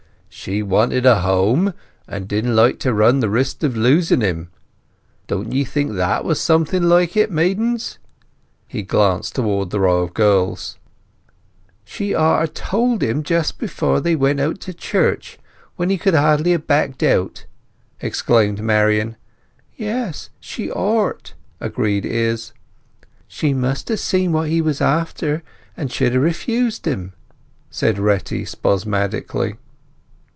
She wanted a home, and didn't like to run the risk of losing him. Don't ye think that was something like it, maidens?" He glanced towards the row of girls. "She ought to ha' told him just before they went to church, when he could hardly have backed out," exclaimed Marian. "Yes, she ought," agreed Izz. "She must have seen what he was after, and should ha' refused him," cried Retty spasmodically.